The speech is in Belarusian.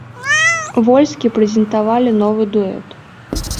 Вольскі прэзентавалі новы дуэт.